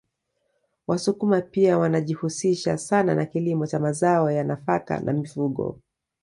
Wasukuma pia wanajihusisha sana na kilimo cha mazao ya nafaka na mifugo